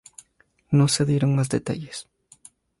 No se dieron más detalles.